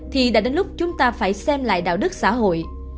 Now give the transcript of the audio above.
thì đã đến lúc chúng ta phải xem lại đạo đức xã hội